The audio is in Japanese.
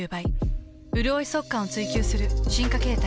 うるおい速乾を追求する進化形態。